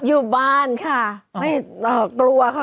อยู่บ้านนะคะ